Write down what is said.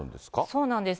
そうなんです。